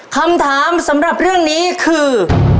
คำถามสำหรับเรื่องนี้คือ